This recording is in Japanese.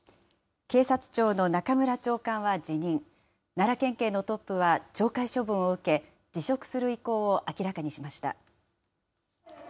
警察庁の中村長官は辞任、奈良県警のトップは、懲戒処分を受け、辞職する意向を明らかにしました。